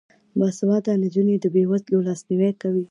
باسواده نجونې د بې وزلو لاسنیوی کوي.